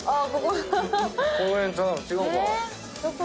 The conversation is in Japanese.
違うか。